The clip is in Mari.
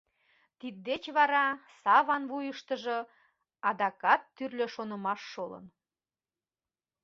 Тиддеч вара Саван вуйыштыжо адакат тӱрлӧ шонымаш шолын.